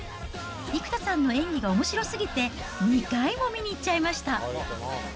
生田さんの演技がおもしろすぎて、２回も見に行っちゃいました。